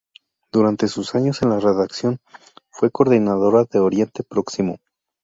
Durante sus años en la redacción, fue coordinadora de Oriente Próximo.